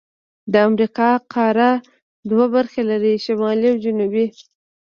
د امریکا قاره دوه برخې لري: شمالي او جنوبي.